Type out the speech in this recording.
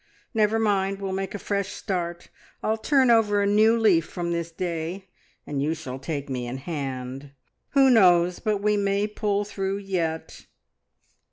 Never mind, we'll make a fresh start. I'll turn over a new leaf from this day, and you shall take me in hand. Who knows but we may pull through yet?"